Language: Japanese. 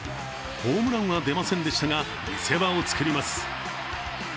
ホームランは出ませんでしたが見せ場を作ります。